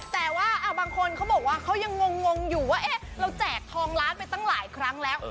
แต่ว่าบางคนเขาบอกว่าเขายังงงอยู่ว่าเราแจกทองล้านไปตั้งหลายครั้งแล้ว